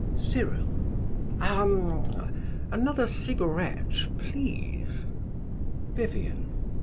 CYRIL. Ahem! Another cigarette, please. VIVIAN.